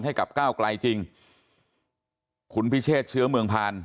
ให้กับก้าวไกลจริงคุณพิเชษเชื้อเมืองผ่าน